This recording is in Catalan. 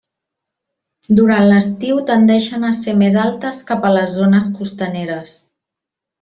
Durant l'estiu tendeixen a ser més altes cap a les zones costaneres.